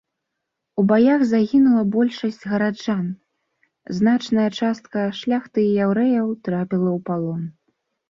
У баях загінула большасць гараджан, значная частка шляхты і яўрэяў трапіла ў палон.